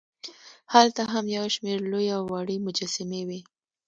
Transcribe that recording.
هلته هم یوشمېر لوې او وړې مجسمې وې.